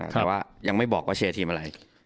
แต่ว่ายังไม่บอกว่าเชียร์ทีมอะไร